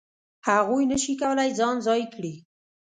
هغوی نه شي کولای ځان ځای کړي.